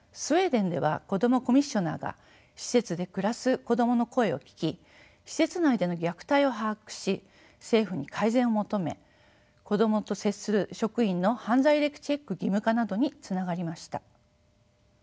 スウェーデンでは子どもコミッショナーが施設で暮らす子どもの声を聞き施設内での虐待を把握し政府に改善を求め子どもと接する職員の犯罪歴チェック義務化などにつながりました。